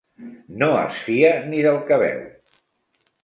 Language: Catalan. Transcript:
No es fia ni del que veu.